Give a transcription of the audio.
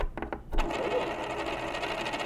— Ауылмы?